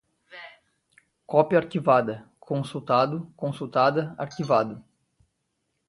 Cópia arquivada, consultado, consultada, arquivado